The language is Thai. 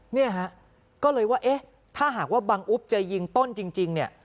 เนี่ยฮะก็เลยว่าเอ๊ะถ้าหากว่าบังอุ๊บจะยิงต้นจริงเนี่ย